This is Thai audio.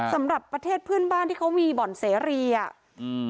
สำหรับประเทศเพื่อนบ้านที่เขามีบ่อนเสรีอ่ะอืม